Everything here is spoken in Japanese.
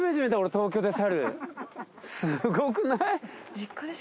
すごくない？